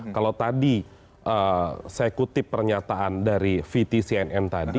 kalau tadi saya kutip pernyataan dari vtcnm tadi